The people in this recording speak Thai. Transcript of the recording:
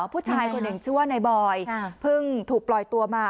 ผู้ชายคนหนึ่งชื่อว่านายบอยเพิ่งถูกปล่อยตัวมา